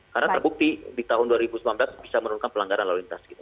karena terbukti di tahun dua ribu sembilan belas bisa menurunkan pelanggaran lalu lintas gitu